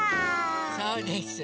そうです。